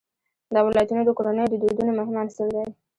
دا ولایتونه د کورنیو د دودونو مهم عنصر دی.